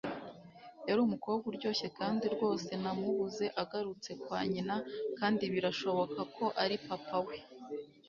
Yari umukobwa uryoshye kandi rwose namubuze agarutse kwa nyina, kandi birashoboka ko ari papa we.